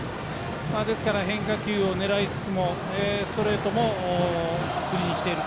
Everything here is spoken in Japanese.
ですから変化球を狙いつつもストレートも振りにきている。